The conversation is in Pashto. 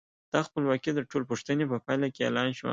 دا خپلواکي د ټول پوښتنې په پایله کې اعلان شوه.